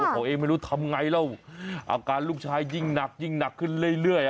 เขาเองไม่รู้ทำไงแล้วอาการลูกชายยิ่งหนักยิ่งหนักขึ้นเรื่อย